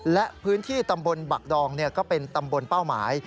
และพื้นที่ตำบลบักดองก็เป็นตำบลเป้าหมาย